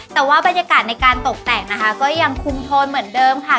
แต่ว่าบรรยากาศในการตกแต่งนะคะก็ยังคุมโทนเหมือนเดิมค่ะ